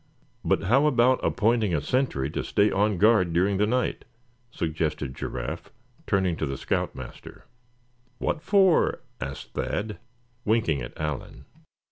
"But how about appointing a sentry to stay on guard during the night?" suggested Giraffe, turning to the scout master. "What for?" asked Thad, winking at Allan.